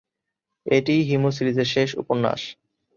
এটিই হিমু সিরিজের শেষ উপন্যাস।